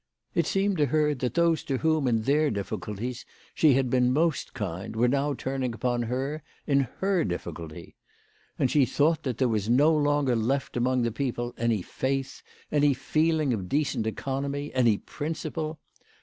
It seemed to her that those to whom in their difficulties she had been most kind were now turning upon her in her difficulty. And she thought that there was no longer left among the people any faith, any feeling of decent economy, any principle.